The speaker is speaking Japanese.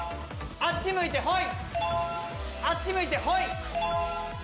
あっち向いてホイ！